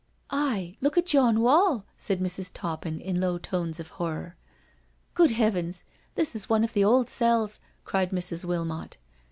"Aye, look at yon wadll" said Mrs, Toppin in low tones of horror. " Good heavens I This is one of the old cells/' cried Mrs. Wilmot.